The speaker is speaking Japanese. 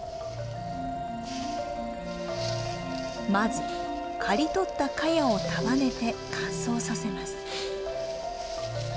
まず刈りとったカヤを束ねて乾燥させます。